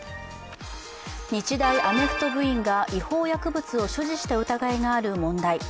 日大アメフト部員が違法薬物を所持した疑いがある問題。